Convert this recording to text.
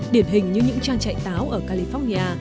điển hình như những trang trại táo ở california